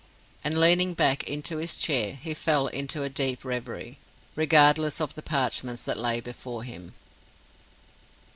And, leaning back into his chair, he fell into a deep reverie, regardless of the parchments that lay before him.